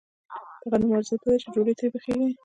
د غنمو ارزښت دا دی چې ډوډۍ ترې پخېږي